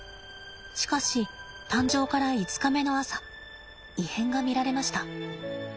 しかし誕生から５日目の朝異変が見られました。